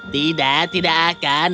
tidak tidak akan